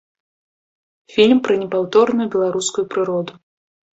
Фільм пра непаўторную беларускую прыроду.